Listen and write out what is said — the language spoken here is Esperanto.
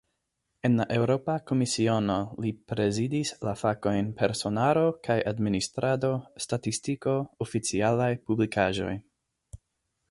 En la Eŭropa Komisiono, li prezidis la fakojn "personaro kaj administrado, statistiko, oficialaj publikaĵoj".